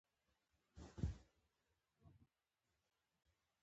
ایا ستاسو استعداد ځلیدلی دی؟